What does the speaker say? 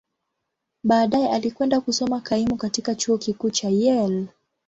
Baadaye, alikwenda kusoma kaimu katika Chuo Kikuu cha Yale.